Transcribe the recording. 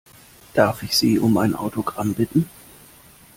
Darf ich Sie um ein Autogramm bitten?